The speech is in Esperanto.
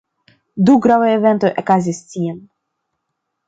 Du gravaj eventoj okazis tiam.